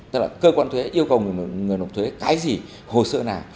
tức là cơ quan thuế yêu cầu người nộp thuế cái gì hồ sơ nào